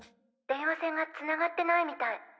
電話線が繋がってないみたい。